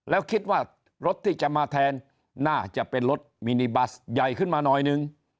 แล้วคิดว่ารถที่จะมาแทนน่าจะเป็นรถมินิบัสใหญ่ขึ้นมาหน่อยนึง